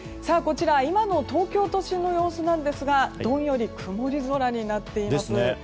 今の東京都心の様子ですがどんより曇り空になっています。